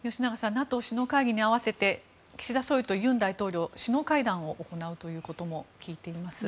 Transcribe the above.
ＮＡＴＯ首脳会議に合わせて岸田総理と尹大統領首脳会談を行うということも聞いています。